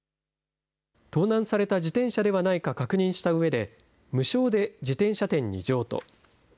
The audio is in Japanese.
盗難された自転車ではないか確認したうえで、無償で自転車店に譲渡。